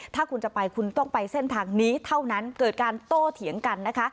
ถ้าคุณจะไปคุณต้องไปเส้นทางนี้เท่านั้นเกิดการโต้เถียงกันนะคะ